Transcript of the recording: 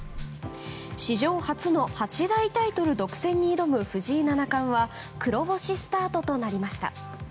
史上初の八大タイトル独占に挑む藤井七冠は黒星スタートとなりました。